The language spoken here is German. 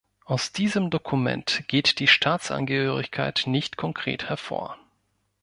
Aus diesem Dokument geht die Staatsangehörigkeit nicht konkret hervor.